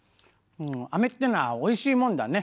あめっていうのはおいしいもんだね。